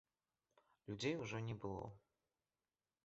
Людзей ужо не было.